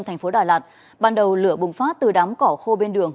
thành phố đà lạt ban đầu lửa bùng phát từ đám cỏ khô bên đường